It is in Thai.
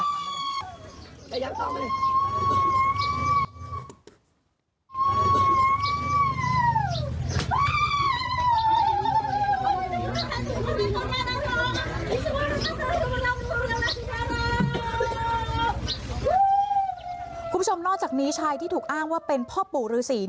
นอกจากนี้ชายที่ถูกอ้างว่าเป็นพ่อปู่ฤษี